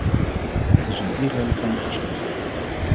Het is een irrelevant verslag.